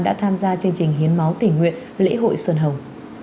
đã tham gia chương trình hiến máu tỉnh nguyện lễ hội xuân hồng